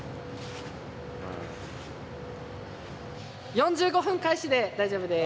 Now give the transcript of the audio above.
４５分開始で大丈夫です。